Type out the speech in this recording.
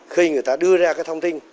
khi người ta đưa ra thông tin